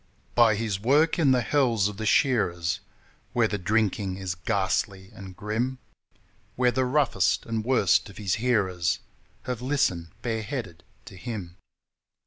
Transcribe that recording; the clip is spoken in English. By his work in the hells of the shearers, Where the drinking is ghastly and grim, Where the roughest and worst of his hearers Have listened bareheaded to him.